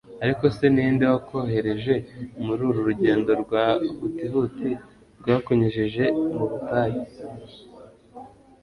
Ariko se ni nde wakohereje muri uru rugendo rwa huti huti rwakunyujije mu butayu